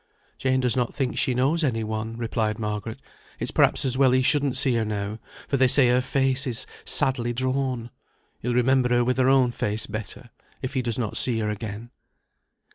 "Jane does not think she knows any one," replied Margaret. "It's perhaps as well he shouldn't see her now, for they say her face is sadly drawn. He'll remember her with her own face better, if he does not see her again."